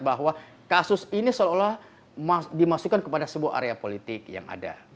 bahwa kasus ini seolah olah dimasukkan kepada sebuah area politik yang ada